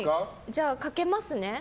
じゃあ、かけますね。